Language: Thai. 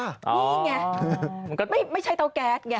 นี่ไงไม่ใช่เตาแก๊สไง